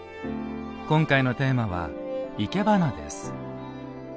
今回のテーマは「いけばな」です。